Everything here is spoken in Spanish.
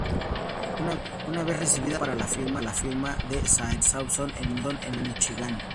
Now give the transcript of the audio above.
Una vez recibida trabajó para la firma de Saarinen y Swanson en Michigan.